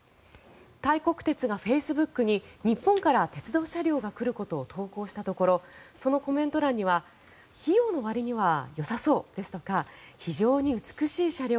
タイ国鉄がフェイスブックに日本から鉄道車両が来ることを投稿したところそのコメント欄には費用のわりにはよさそうですとか非常に美しい車両